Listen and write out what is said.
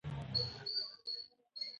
تاسو باید په خپل ژوند کې یو مشخص هدف ولرئ.